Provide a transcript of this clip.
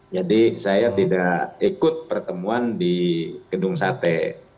jadi saya tidak ikut pertemuan di gedung sate